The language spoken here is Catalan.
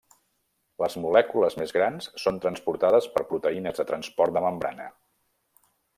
Les molècules més grans són transportades per proteïnes de transport de membrana.